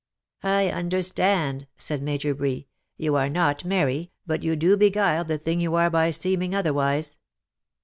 " I understand," said Major Bree ;'' 'you are not merry, but you do beguile the thing you are by seeming otherwise.